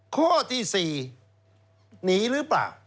ข้อที่๔หนีหรือเปล่า